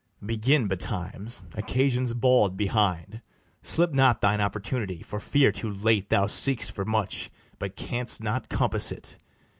Begin betimes; Occasion's bald behind: Slip not thine opportunity, for fear too late Thou seek'st for much, but canst not compass it.